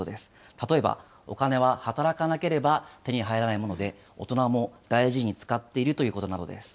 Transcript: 例えば、お金は働かなければ手に入らないもので、大人も大事に使っているということなどです。